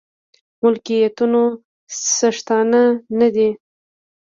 ملکيتونو څښتنان نه دي.